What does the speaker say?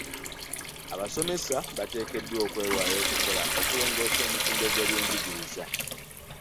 Abasomesa bateekeddwa okwewaayo okukola okulongoosa omutindo gw'ebyenjigiriza.